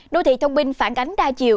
đô thị thông minh phản ánh đa chiều